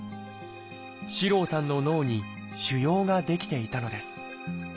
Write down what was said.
四郎さんの脳に腫瘍が出来ていたのです。